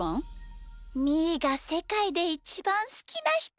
みーがせかいでイチバンすきなひと！